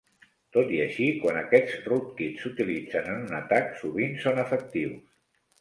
Tot i així, quan aquests "rootkits" s'utilitzen en un atac, sovint són efectius.